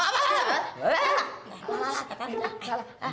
buat kacau kacau